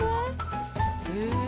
へえ。